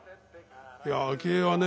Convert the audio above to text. いや明恵はね